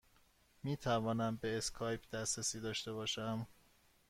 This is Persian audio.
می توانم به اسکایپ دسترسی داشته باشم؟